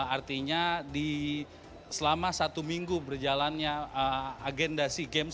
artinya selama satu minggu berjalannya agenda sea games